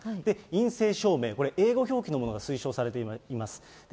陰性証明、これ、英語表記のものが推奨されています。